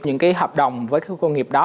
những cái hợp đồng với khu công nghiệp đó